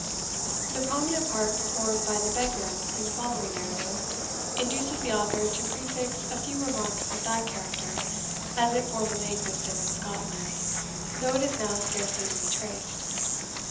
The prominent part performed by the Beggar in the following narrative, induces the author to prefix a few remarks of that character, as it formerly existed in Scotland, though it is now scarcely to be traced.